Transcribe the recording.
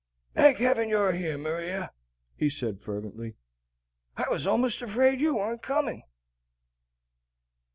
"Thank Heaven you're here, Maria!" he said fervently. "I was almost afraid you weren't coming."